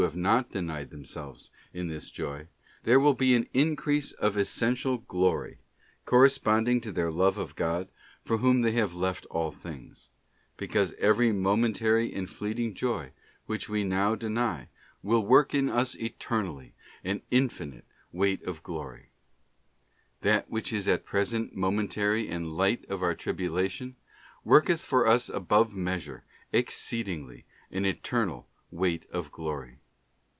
have not denied themselves in this joy, there will be an increase of essential glory, corresponding Nocross; to their love of God, for whom they have left all things: because — every momentary and fleeting joy, which we now deny, will work in us eternally an infinite weight of glory: ' that which is at present momentary and light of our tribulation, worketh for us above measure exceedingly an eternal weight of glory.